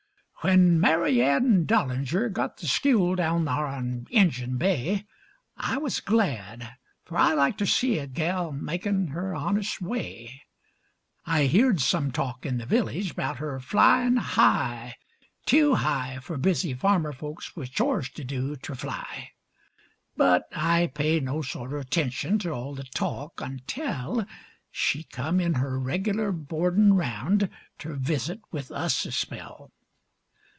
When Mary Ann Dollinger got the skule daown thar on Injun Bay, I was glad, for I like ter see a gal makin' her honest way. I heerd some talk in the village abaout her flyin' high, Tew high for busy farmer folks with chores ter do ter fly; But I paid no sorter attention ter all the talk ontell She come in her reg'lar boardin' raound ter visit with us a spell.